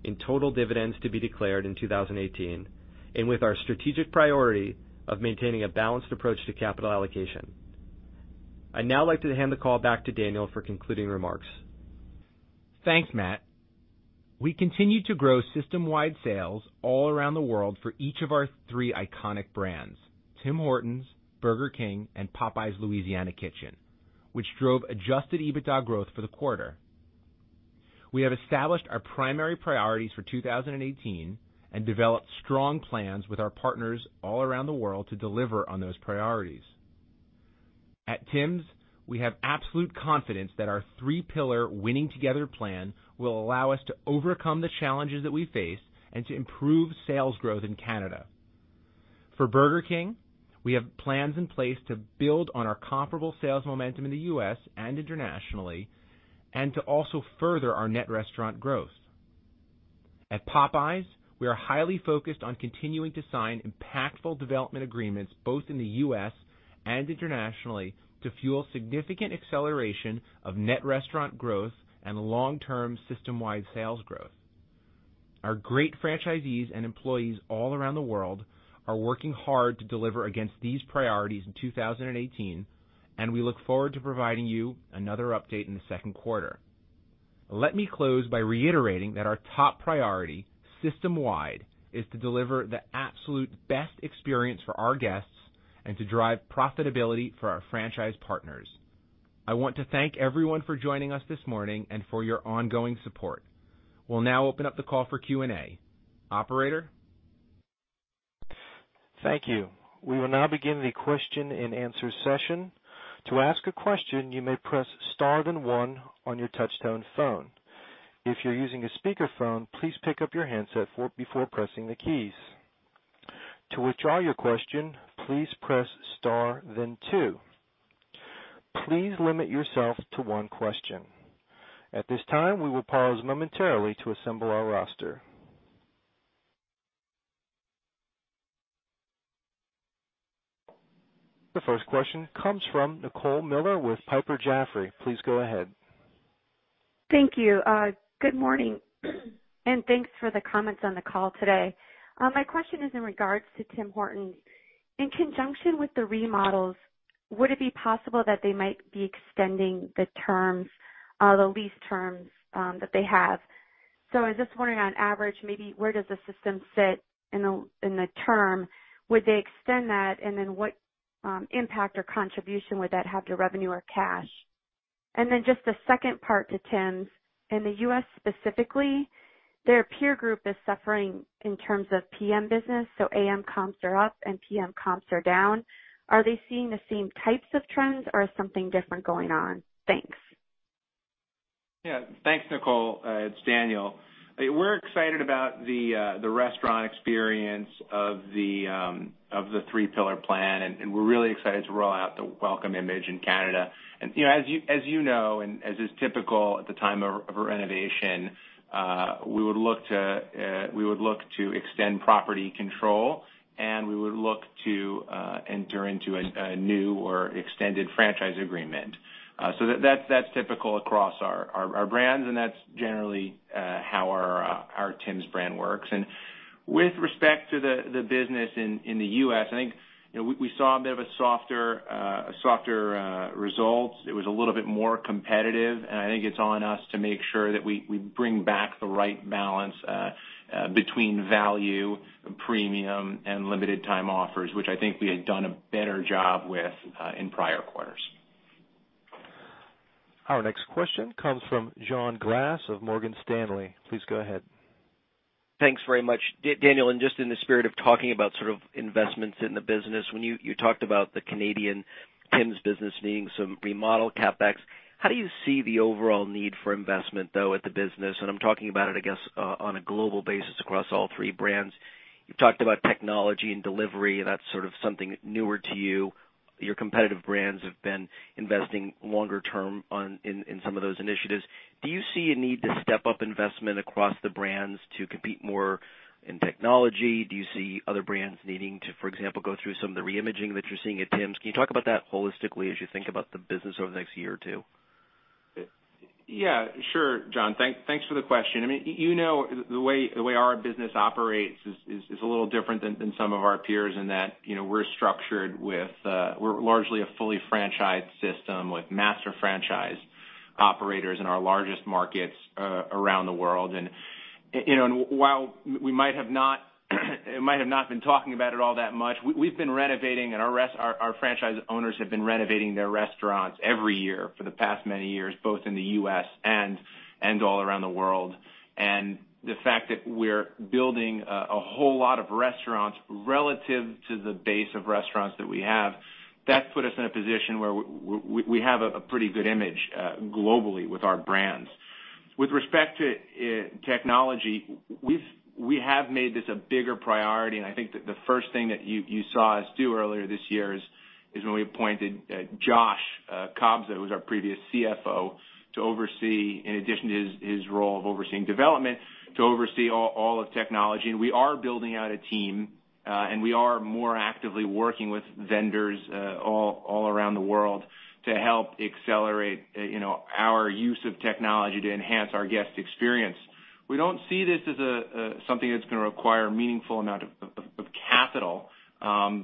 in total dividends to be declared in 2018 and with our strategic priority of maintaining a balanced approach to capital allocation. I'd now like to hand the call back to Daniel for concluding remarks. Thanks, Matt. We continued to grow system-wide sales all around the world for each of our three iconic brands, Tim Hortons, Burger King, and Popeyes Louisiana Kitchen, which drove adjusted EBITDA growth for the quarter. We have established our primary priorities for 2018 and developed strong plans with our partners all around the world to deliver on those priorities. At Tims, we have absolute confidence that our three-pillar Winning Together Plan will allow us to overcome the challenges that we face and to improve sales growth in Canada. For Burger King, we have plans in place to build on our comparable sales momentum in the U.S. and internationally and to also further our net restaurant growth. At Popeyes, we are highly focused on continuing to sign impactful development agreements both in the U.S. and internationally to fuel significant acceleration of net restaurant growth and long-term system-wide sales growth. Our great franchisees and employees all around the world are working hard to deliver against these priorities in 2018, and we look forward to providing you another update in the second quarter. Let me close by reiterating that our top priority system-wide is to deliver the absolute best experience for our guests and to drive profitability for our franchise partners. I want to thank everyone for joining us this morning and for your ongoing support. We'll now open up the call for Q&A. Operator? Thank you. We will now begin the question and answer session. To ask a question, you may press star then one on your touch-tone phone. If you're using a speakerphone, please pick up your handset before pressing the keys. To withdraw your question, please press star then two. Please limit yourself to one question. At this time, we will pause momentarily to assemble our roster. The first question comes from Nicole Miller with Piper Jaffray. Please go ahead. Thank you. Good morning, thanks for the comments on the call today. My question is in regards to Tim Hortons. In conjunction with the remodels, would it be possible that they might be extending the lease terms that they have? I was just wondering on average, maybe where does the system sit in the term? Would they extend that? What impact or contribution would that have to revenue or cash? Just the second part to Tim's. In the U.S. specifically, their peer group is suffering in terms of PM business, AM comps are up and PM comps are down. Are they seeing the same types of trends or is something different going on? Thanks. Thanks, Nicole. It's Daniel. We're excited about the restaurant experience of the three-pillar plan. We're really excited to roll out the Welcome Image in Canada. As you know, and as is typical at the time of a renovation, we would look to extend property control, and we would look to enter into a new or extended franchise agreement. That's typical across our brands, and that's generally how our Tim's brand works. With respect to the business in the U.S., I think, we saw a bit of a softer results. It was a little bit more competitive, and I think it's on us to make sure that we bring back the right balance between value, premium, and limited time offers, which I think we had done a better job with in prior quarters. Our next question comes from John Glass of Morgan Stanley. Please go ahead. Thanks very much. Daniel, just in the spirit of talking about sort of investments in the business, when you talked about the Canadian Tim's business needing some remodel CapEx, how do you see the overall need for investment, though, at the business? I'm talking about it, I guess, on a global basis across all three brands. You've talked about technology and delivery, and that's sort of something newer to you. Your competitive brands have been investing longer term in some of those initiatives. Do you see a need to step up investment across the brands to compete more in technology? Do you see other brands needing to, for example, go through some of the re-imaging that you're seeing at Tim's? Can you talk about that holistically as you think about the business over the next year or two? Yeah. Sure, John. Thanks for the question. You know the way our business operates is a little different than some of our peers in that we're structured with We're largely a fully franchised system with master franchise operators in our largest markets around the world. While we might have not been talking about it all that much, we've been renovating and our franchise owners have been renovating their restaurants every year for the past many years, both in the U.S. and all around the world. The fact that we're building a whole lot of restaurants relative to the base of restaurants that we have, that put us in a position where we have a pretty good image globally with our brands. With respect to technology, we have made this a bigger priority, and I think that the first thing that you saw us do earlier this year is when we appointed Joshua Kobza, that was our previous CFO, in addition to his role of overseeing development, to oversee all of technology. We are building out a team, and we are more actively working with vendors all around the world to help accelerate our use of technology to enhance our guest experience. We don't see this as something that's going to require a meaningful amount of capital. I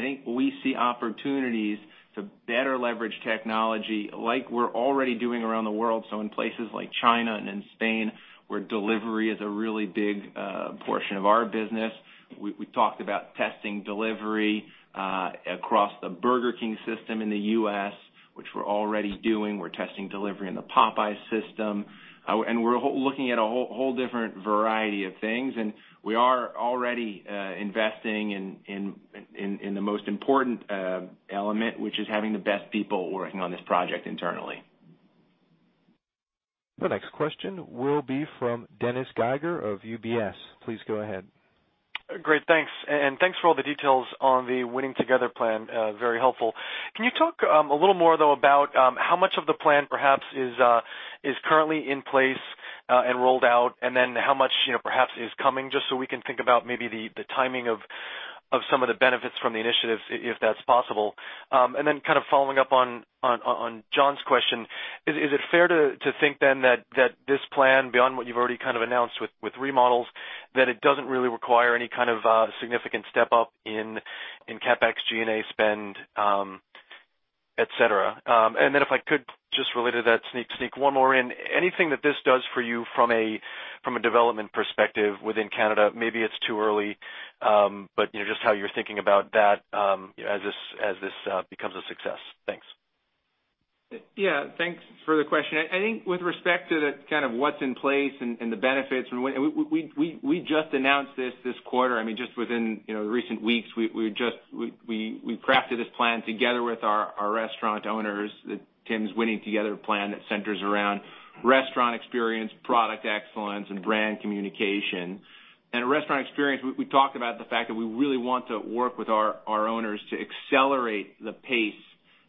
think we see opportunities to better leverage technology like we're already doing around the world. So in places like China and in Spain, where delivery is a really big portion of our business. We talked about testing delivery across the Burger King system in the U.S., which we're already doing. We're testing delivery in the Popeyes system. We're looking at a whole different variety of things, and we are already investing in the most important element, which is having the best people working on this project internally. The next question will be from Dennis Geiger of UBS. Please go ahead. Great. Thanks. Thanks for all the details on the Winning Together Plan. Very helpful. Can you talk a little more, though, about how much of the plan perhaps is currently in place and rolled out, then how much perhaps is coming, just so we can think about maybe the timing of some of the benefits from the initiatives, if that's possible. Following up on John's question, is it fair to think that this plan, beyond what you've already kind of announced with remodels, that it doesn't really require any kind of significant step-up in CapEx, G&A spend, et cetera? If I could just really to that sneak one more in, anything that this does for you from a development perspective within Canada, maybe it's too early, but just how you're thinking about that as this becomes a success. Thanks. Yeah. Thanks for the question. I think with respect to the kind of what's in place and the benefits, we just announced this quarter, I mean, just within the recent weeks, we crafted this plan together with our restaurant owners, the Tim's Winning Together Plan that centers around restaurant experience, product excellence, and brand communication. Restaurant experience, we talked about the fact that we really want to work with our owners to accelerate the pace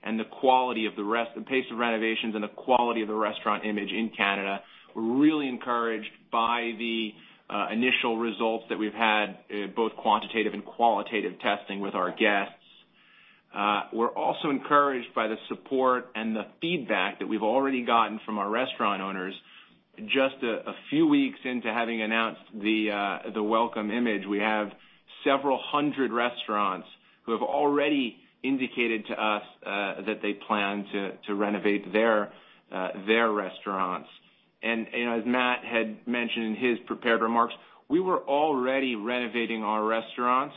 and the quality of the pace of renovations and the quality of the restaurant image in Canada. We're really encouraged by the initial results that we've had, both quantitative and qualitative testing with our guests. We're also encouraged by the support and the feedback that we've already gotten from our restaurant owners. Just a few weeks into having announced the Welcome Image, we have several hundred restaurants who have already indicated to us that they plan to renovate their restaurants. As Matt had mentioned in his prepared remarks, we were already renovating our restaurants.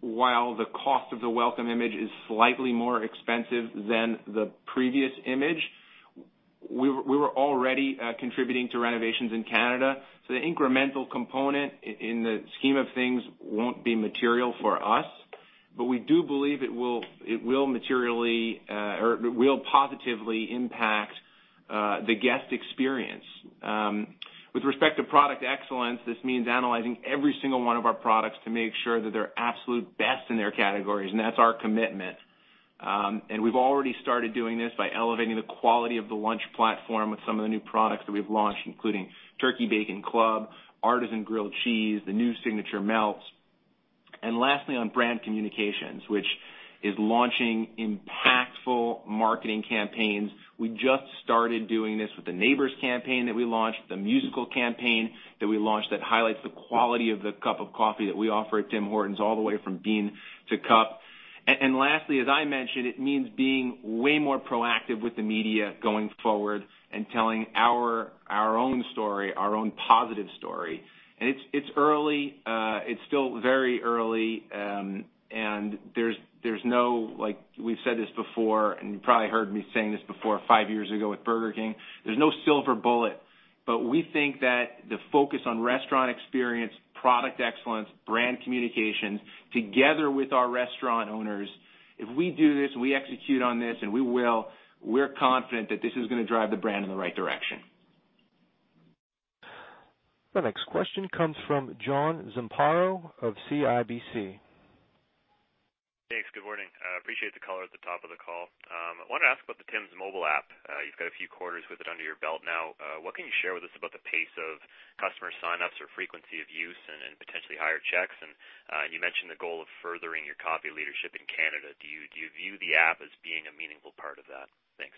While the cost of the Welcome Image is slightly more expensive than the previous image, we were already contributing to renovations in Canada. The incremental component, in the scheme of things, won't be material for us. We do believe it will positively impact the guest experience. With respect to product excellence, this means analyzing every single one of our products to make sure that they're absolute best in their categories, that's our commitment. We've already started doing this by elevating the quality of the lunch platform with some of the new products that we've launched, including Turkey Bacon Club, Artisan Grilled Cheese, the new Signature Melts, and lastly, on brand communications, which is launching impactful marketing campaigns. We just started doing this with the Neighbors campaign that we launched, the musical campaign that we launched that highlights the quality of the cup of coffee that we offer at Tim Hortons all the way from bean to cup. Lastly, as I mentioned, it means being way more proactive with the media going forward and telling our own story, our own positive story. It's early, it's still very early, and we've said this before, and you probably heard me saying this before, 5 years ago with Burger King. There's no silver bullet. We think that the focus on restaurant experience, product excellence, brand communications, together with our restaurant owners, if we do this, and we execute on this, and we will, we're confident that this is going to drive the brand in the right direction. The next question comes from John Zamparo of CIBC. Thanks. Good morning. I appreciate the color at the top of the call. I want to ask about the Tim's mobile app. You've got a few quarters with it under your belt now. What can you share with us about the pace of customer sign-ups or frequency of use and potentially higher checks? You mentioned the goal of furthering your coffee leadership in Canada. Do you view the app as being a meaningful part of that? Thanks.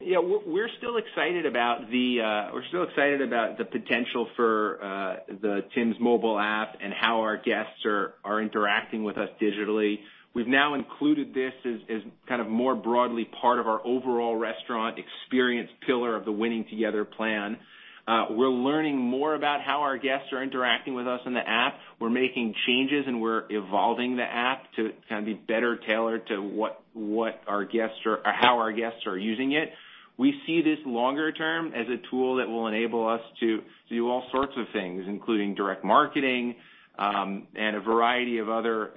Yeah. We're still excited about the potential for the Tim's mobile app and how our guests are interacting with us digitally. We've now included this as more broadly part of our overall restaurant experience pillar of the Winning Together Plan. We're learning more about how our guests are interacting with us on the app. We're making changes, and we're evolving the app to be better tailored to how our guests are using it. We see this longer term as a tool that will enable us to do all sorts of things, including direct marketing, and a variety of other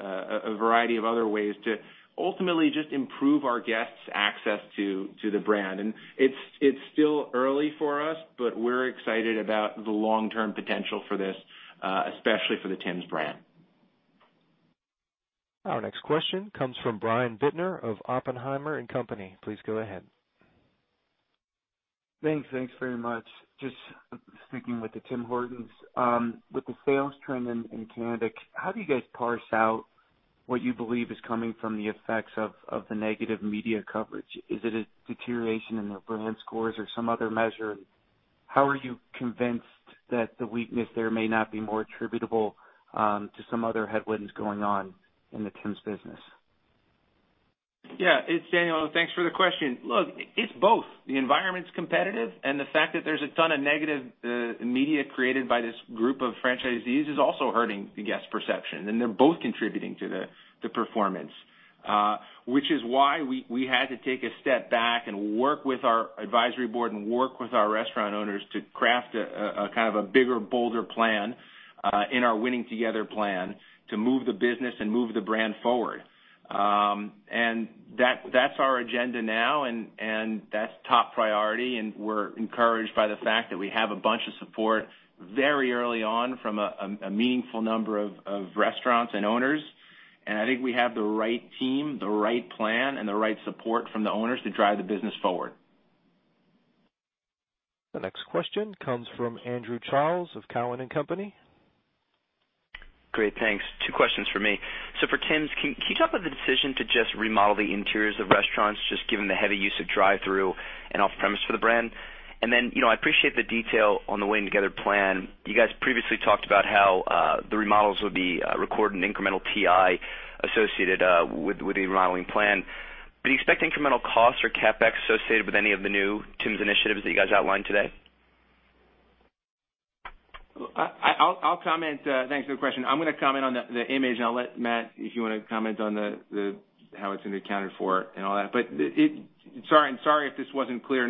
ways to ultimately just improve our guests' access to the brand. It's still early for us, but we're excited about the long-term potential for this, especially for the Tim's brand. Our next question comes from Brian Bittner of Oppenheimer and Company. Please go ahead. Thanks very much. Just sticking with the Tim Hortons. With the sales trend in Canada, how do you guys parse out what you believe is coming from the effects of the negative media coverage? Is it a deterioration in the brand scores or some other measure? How are you convinced that the weakness there may not be more attributable to some other headwinds going on in the Tim's business? Yeah. It's Daniel. Thanks for the question. Look, it's both. The environment's competitive, and the fact that there's a ton of negative media created by this group of franchisees is also hurting the guest perception, and they're both contributing to the performance, which is why we had to take a step back and work with our Franchisee Advisory Board and work with our restaurant owners to craft a bigger, bolder plan, in our Winning Together Plan to move the business and move the brand forward. That's our agenda now, and that's top priority, and we're encouraged by the fact that we have a bunch of support very early on from a meaningful number of restaurants and owners. I think we have the right team, the right plan, and the right support from the owners to drive the business forward. The next question comes from Andrew Charles of Cowen and Company. Great, thanks. Two questions from me. For Tim's, can you talk about the decision to just remodel the interiors of restaurants, just given the heavy use of drive-through and off-premise for the brand? Then, I appreciate the detail on the Winning Together Plan. You guys previously talked about how the remodels would be recorded in incremental TI associated with the remodeling plan. Do you expect incremental costs or CapEx associated with any of the new Tim's initiatives that you guys outlined today? Thanks for the question. I'm going to comment on the image, and I'll let Matt, if you want to comment on how it's going to be accounted for and all that. I'm sorry if this wasn't clear.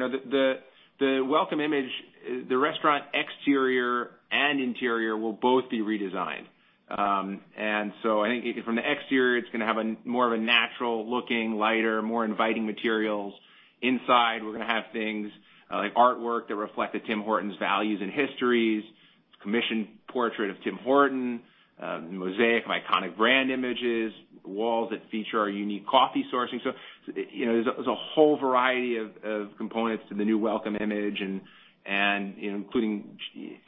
The Welcome Image, the restaurant exterior and interior will both be redesigned. I think from the exterior, it's going to have more of a natural looking, lighter, more inviting materials. Inside, we're going to have things like artwork that reflect the Tim Horton's values and histories, commissioned portrait of Tim Horton, mosaic of iconic brand images, walls that feature our unique coffee sourcing. There's a whole variety of components to the new Welcome Image and including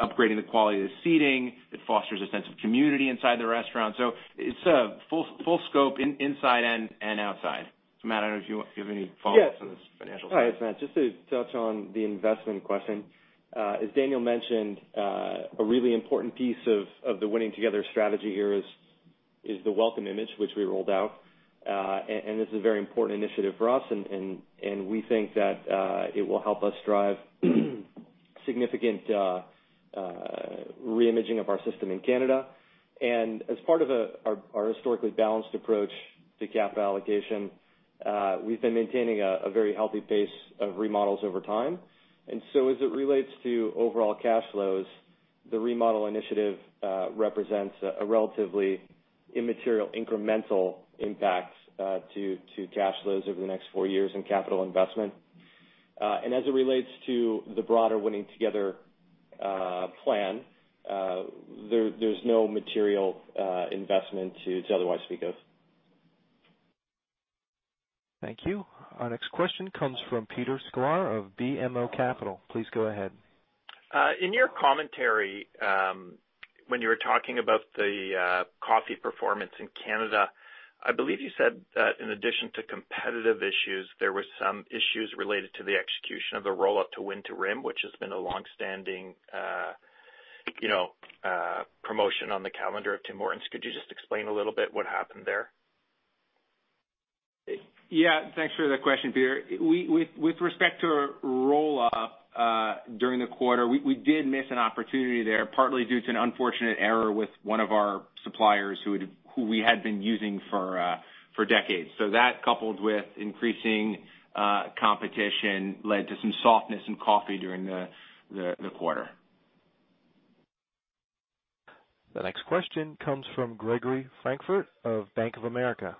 upgrading the quality of the seating. It fosters a sense of community inside the restaurant. It's a full scope inside and outside. Matt, I don't know if you have any follow-ups on this financial side. Yes. Hi, it's Matt. Just to touch on the investment question. As Daniel mentioned, a really important piece of the Winning Together Plan here is the Welcome Image, which we rolled out. This is a very important initiative for us, and we think that it will help us drive significant reimaging of our system in Canada. As part of our historically balanced approach to capital allocation, we've been maintaining a very healthy pace of remodels over time. As it relates to overall cash flows, the remodel initiative represents a relatively immaterial incremental impact to cash flows over the next 4 years in capital investment. As it relates to the broader Winning Together Plan, there's no material investment to otherwise speak of. Thank you. Our next question comes from Peter Sklar of BMO Capital. Please go ahead. In your commentary, when you were talking about the coffee performance in Canada, I believe you said that in addition to competitive issues, there were some issues related to the execution of the Roll Up the Rim, which has been a longstanding promotion on the calendar of Tim Hortons'. Could you just explain a little bit what happened there? Yeah. Thanks for that question, Peter. With respect to our Roll Up the Rim during the quarter, we did miss an opportunity there, partly due to an unfortunate error with one of our suppliers who we had been using for decades. That, coupled with increasing competition, led to some softness in coffee during the quarter. The next question comes from Gregory Francfort of Bank of America.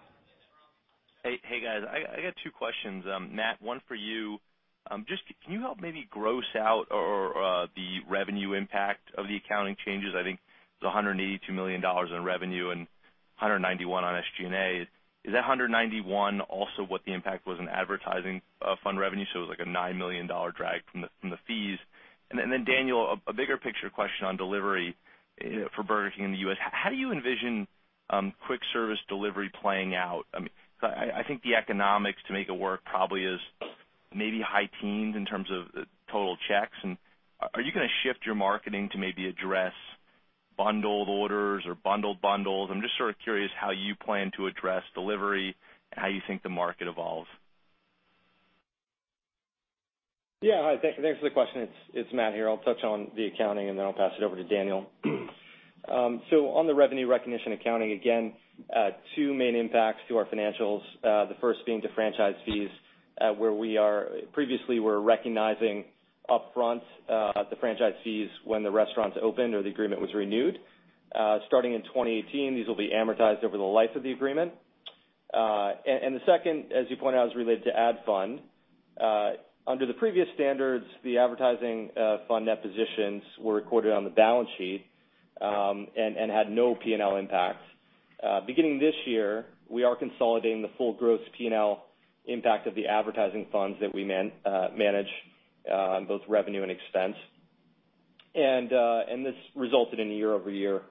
Hey, guys. I got two questions. Matt, one for you. Can you help maybe gross out or the revenue impact of the accounting changes? I think it's 182 million dollars in revenue and 191 million on SG&A. Is that 191 million also what the impact was in advertising fund revenue? It was like a 9 million dollar drag from the fees. Daniel, a bigger picture question on delivery for Burger King in the U.S. How do you envision quick service delivery playing out? I think the economics to make it work probably is maybe high teens in terms of total checks. Are you going to shift your marketing to maybe address bundled orders or bundle bundles? I'm just sort of curious how you plan to address delivery and how you think the market evolves. Yeah. Thanks for the question. It's Matt here. I'll touch on the accounting, then I'll pass it over to Daniel. On the revenue recognition accounting, again, two main impacts to our financials. The first being the franchise fees where previously we were recognizing upfront the franchise fees when the restaurants opened or the agreement was renewed. Starting in 2018, these will be amortized over the life of the agreement. The second, as you pointed out, is related to ad fund. Under the previous standards, the advertising fund net positions were recorded on the balance sheet and had no P&L impact. Beginning this year, we are consolidating the full gross P&L impact of the advertising funds that we manage on both revenue and expense. This resulted in a year-over-year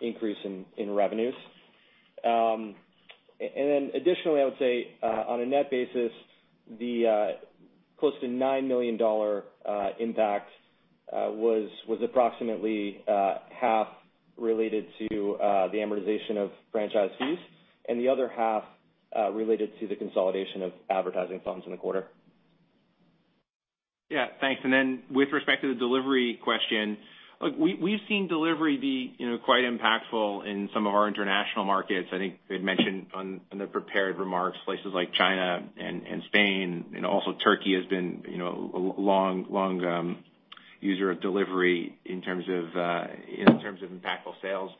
increase in revenues. Additionally, I would say on a net basis, the close to 9 million dollar impact was approximately half related to the amortization of franchise fees and the other half related to the consolidation of advertising funds in the quarter. Thanks. Then with respect to the delivery question, we've seen delivery be quite impactful in some of our international markets. I think they've mentioned on the prepared remarks, places like China and Spain, and also Turkey has been a long user of delivery in terms of impactful sales.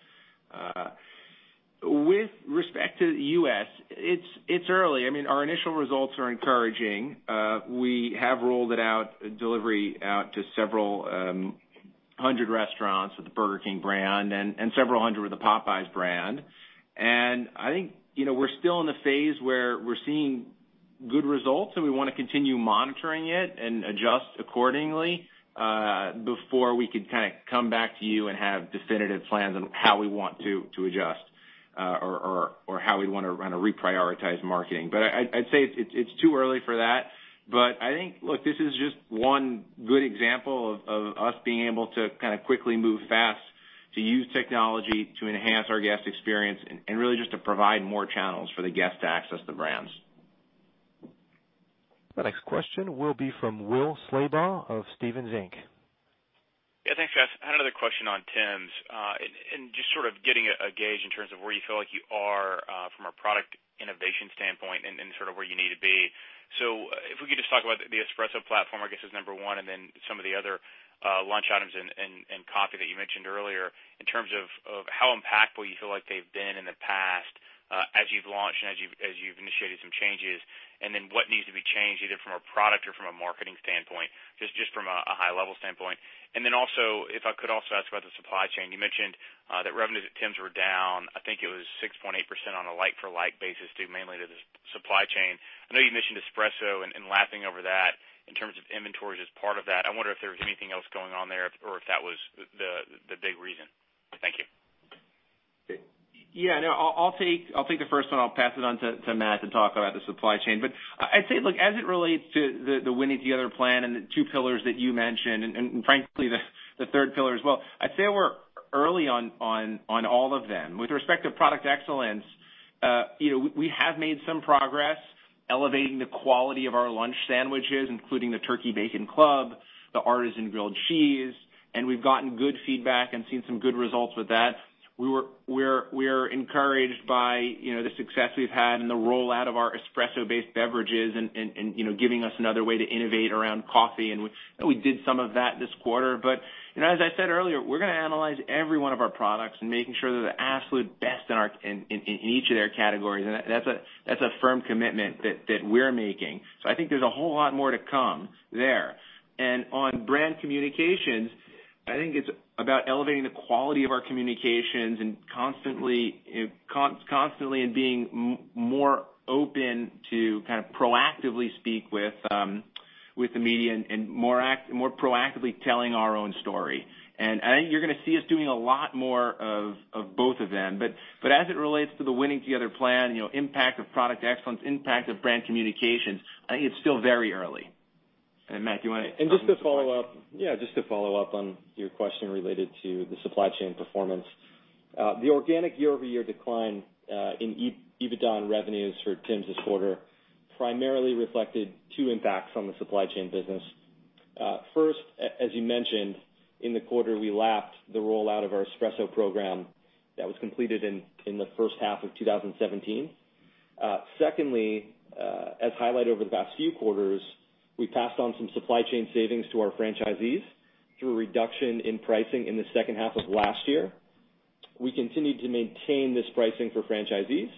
With respect to the U.S., it's early. Our initial results are encouraging. We have rolled delivery out to several hundred restaurants with the Burger King brand and several hundred with the Popeyes brand. I think we're still in the phase where we're seeing good results, and we want to continue monitoring it and adjust accordingly before we could come back to you and have definitive plans on how we want to adjust or how we want to reprioritize marketing. I'd say it's too early for that. I think this is just one good example of us being able to quickly move fast to use technology to enhance our guest experience and really just to provide more channels for the guests to access the brands. The next question will be from Will Slabaugh of Stephens Inc. Thanks, guys. I had another question on Tims and just sort of getting a gauge in terms of where you feel like you are from a product innovation standpoint and sort of where you need to be. If we could just talk about the espresso platform, I guess, as number one, and then some of the other lunch items and coffee that you mentioned earlier in terms of how impactful you feel like they've been in the past as you've launched and as you've initiated some changes. What needs to be changed, either from a product or from a marketing standpoint, just from a high-level standpoint. Also, if I could also ask about the supply chain. You mentioned that revenues at Tims were down, I think it was 6.8% on a like-for-like basis due mainly to the supply chain. I know you mentioned espresso and lapping over that in terms of inventories as part of that. I wonder if there was anything else going on there or if that was the big reason. Thank you. I'll take the first one. I'll pass it on to Matt to talk about the supply chain. I'd say, as it relates to the Winning Together Plan and the two pillars that you mentioned, and frankly, the third pillar as well, I'd say we're early on all of them. With respect to product excellence, we have made some progress elevating the quality of our lunch sandwiches, including the Turkey Bacon Club The Artisan Grilled Cheese, and we've gotten good feedback and seen some good results with that. We're encouraged by the success we've had in the rollout of our espresso-based beverages and giving us another way to innovate around coffee, and we did some of that this quarter. As I said earlier, we're going to analyze every one of our products and making sure they're the absolute best in each of their categories, and that's a firm commitment that we're making. I think there's a whole lot more to come there. On brand communications, I think it's about elevating the quality of our communications and constantly being more open to proactively speak with the media and more proactively telling our own story. I think you're going to see us doing a lot more of both of them. As it relates to the Winning Together Plan, impact of product excellence, impact of brand communications, I think it's still very early. Matt, you want to- Just to follow up on your question related to the supply chain performance. The organic year-over-year decline in EBITDA and revenues for Tims this quarter primarily reflected two impacts on the supply chain business. First, as you mentioned, in the quarter, we lapped the rollout of our espresso program that was completed in the first half of 2017. Secondly, as highlighted over the past few quarters, we passed on some supply chain savings to our franchisees through a reduction in pricing in the second half of last year. We continued to maintain this pricing for franchisees,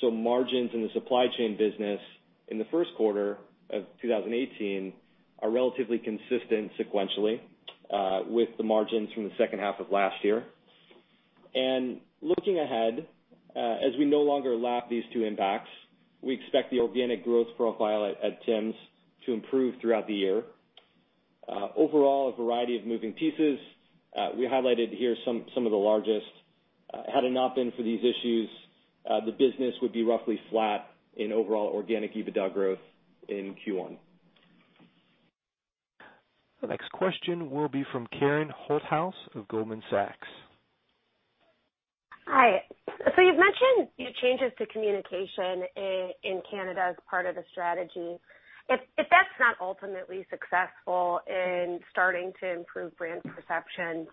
so margins in the supply chain business in the first quarter of 2018 are relatively consistent sequentially with the margins from the second half of last year. Looking ahead, as we no longer lap these two impacts, we expect the organic growth profile at Tims to improve throughout the year. Overall, a variety of moving pieces. We highlighted here some of the largest. Had it not been for these issues, the business would be roughly flat in overall organic EBITDA growth in Q1. The next question will be from Karen Holthouse of Goldman Sachs. Hi. You've mentioned your changes to communication in Canada as part of the strategy. If that's not ultimately successful in starting to improve brand perception,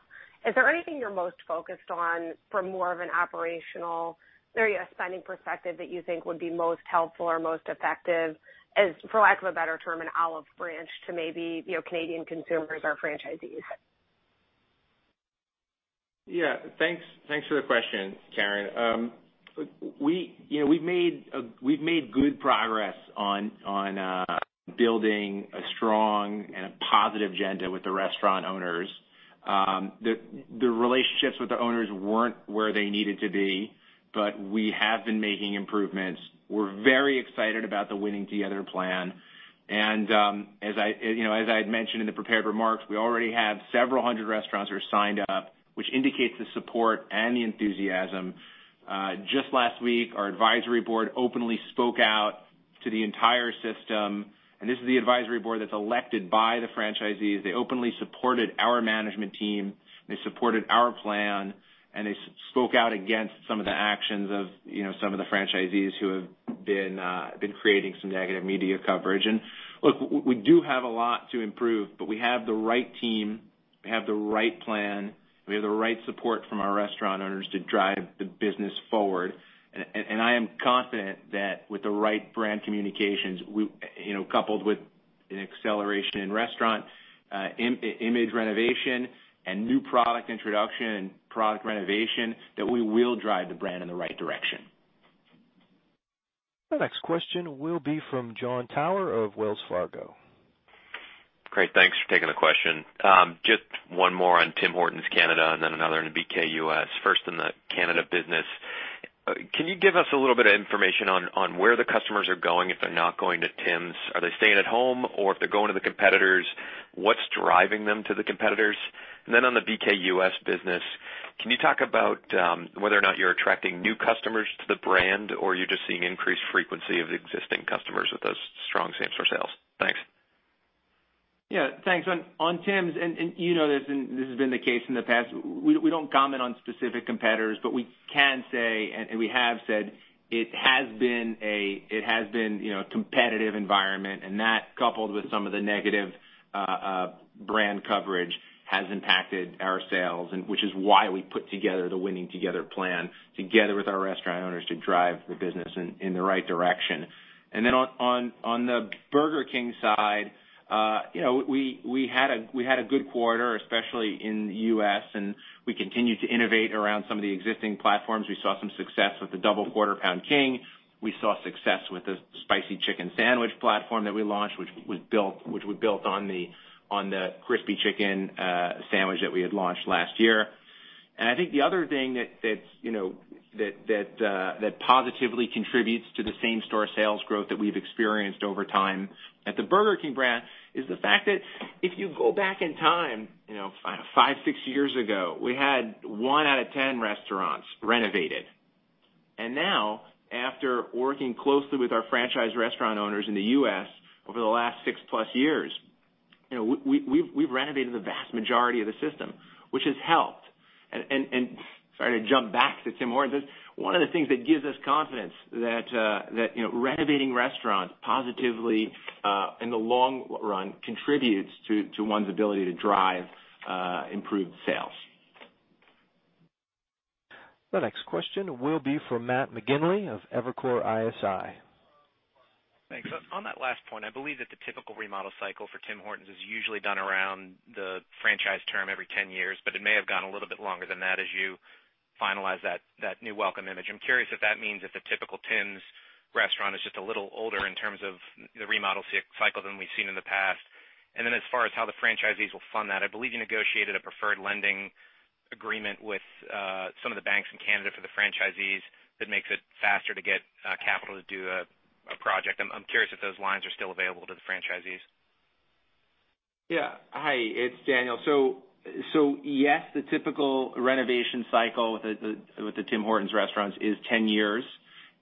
is there anything you're most focused on for more of an operational or a spending perspective that you think would be most helpful or most effective as, for lack of a better term, an olive branch to maybe Canadian consumers or franchisees? Yeah. Thanks for the question, Karen. We've made good progress on building a strong and a positive agenda with the restaurant owners. The relationships with the owners weren't where they needed to be. We have been making improvements. We're very excited about the Winning Together Plan. As I had mentioned in the prepared remarks, we already have several hundred restaurants who are signed up, which indicates the support and the enthusiasm. Just last week, our Advisory Board openly spoke out to the entire system. This is the Advisory Board that's elected by the franchisees. They openly supported our management team, they supported our plan, and they spoke out against some of the actions of some of the franchisees who have been creating some negative media coverage. Look, we do have a lot to improve, but we have the right team, we have the right plan, we have the right support from our restaurant owners to drive the business forward. I am confident that with the right brand communications, coupled with an acceleration in restaurant image renovation and new product introduction and product renovation, that we will drive the brand in the right direction. The next question will be from John Tower of Wells Fargo. Great, thanks for taking the question. Just one more on Tim Hortons Canada, then another on BK U.S. First on the Canada business, can you give us a little bit of information on where the customers are going if they're not going to Tims? Are they staying at home? Or if they're going to the competitors, what's driving them to the competitors? On the BK U.S. business, can you talk about whether or not you're attracting new customers to the brand, or you're just seeing increased frequency of existing customers with those strong same-store sales? Thanks. Yeah, thanks. On Tims, you know this has been the case in the past, we don't comment on specific competitors, but we can say, we have said it has been a competitive environment, and that, coupled with some of the negative brand coverage, has impacted our sales, which is why we put together the Winning Together Plan together with our restaurant owners to drive the business in the right direction. On the Burger King side, we had a good quarter, especially in the U.S., we continued to innovate around some of the existing platforms. We saw some success with the Double Quarter Pound King. We saw success with the Spicy Crispy Chicken Sandwich platform that we launched, which we built on the Crispy Chicken Sandwich that we had launched last year. I think the other thing that positively contributes to the same-store sales growth that we've experienced over time at the Burger King brand is the fact that if you go back in time, five, six years ago, we had one out of 10 restaurants renovated. Now, after working closely with our franchise restaurant owners in the U.S. over the last six-plus years, we've renovated the vast majority of the system, which has helped. Sorry to jump back to Tim Hortons, one of the things that gives us confidence that renovating restaurants positively, in the long run, contributes to one's ability to drive improved sales. The next question will be from Matt McGinley of Evercore ISI. Thanks. On that last point, I believe that the typical remodel cycle for Tim Hortons is usually done around the franchise term every 10 years, but it may have gone a little bit longer than that as you finalized that new Welcome Image. I'm curious if that means that the typical Tims restaurant is just a little older in terms of the remodel cycle than we've seen in the past. Then as far as how the franchisees will fund that, I believe you negotiated a preferred lending agreement with some of the banks in Canada for the franchisees that makes it faster to get capital to do a project. I'm curious if those lines are still available to the franchisees. Yeah. Hi, it's Daniel. Yes, the typical renovation cycle with the Tim Hortons restaurants is 10 years,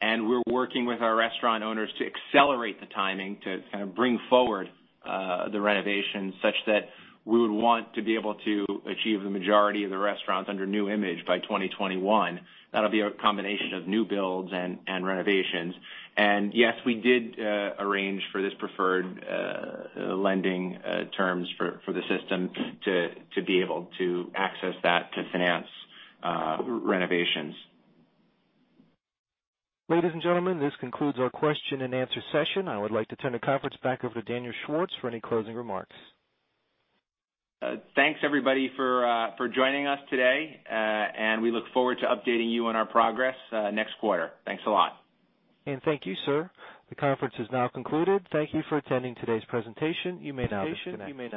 and we're working with our restaurant owners to accelerate the timing to kind of bring forward the renovation, such that we would want to be able to achieve the majority of the restaurants under new image by 2021. That'll be a combination of new builds and renovations. Yes, we did arrange for this preferred lending terms for the system to be able to access that to finance renovations. Ladies and gentlemen, this concludes our question and answer session. I would like to turn the conference back over to Daniel Schwartz for any closing remarks. Thanks, everybody, for joining us today, we look forward to updating you on our progress next quarter. Thanks a lot. Thank you, sir. The conference is now concluded. Thank you for attending today's presentation. You may now disconnect.